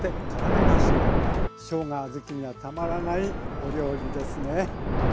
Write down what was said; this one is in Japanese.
しょうが好きにはたまらないお料理ですね。